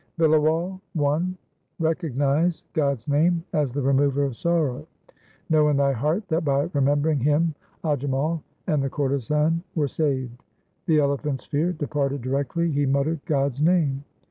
Bilawal I Recognize God's name as the remover of sorrow : Know in thy heart that by remembering Him Ajamal and the courtesan were saved ; The elephant's fear departed directly he muttered God's name.